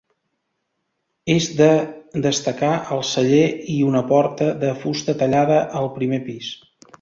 És de destacar el celler i una porta de fusta tallada al primer pis.